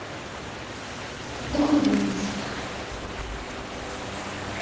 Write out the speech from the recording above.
どこの病院ですか？